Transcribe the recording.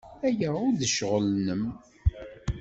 Aya ur d ccɣel-nnem.